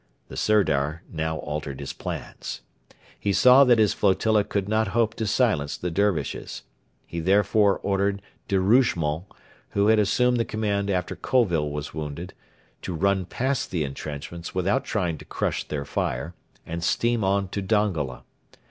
The Sirdar now altered his plans. He saw that his flotilla could not hope to silence the Dervishes. He therefore ordered De Rougemont who had assumed the command after Colville was wounded to run past the entrenchments without trying to crush their fire, and steam on to Dongola.